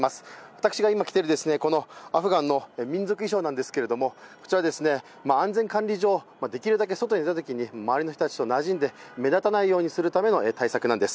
私が今、着ているアフガンの民族衣装ですが安全管理上できるだけ外に出たときに、周りの人になじんで目立たないようにするための対策なんです。